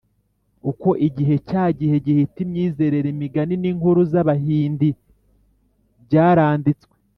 uko igihe cyagiye gihita, imyizerere, imigani n’inkuru z’abahindi byaranditswe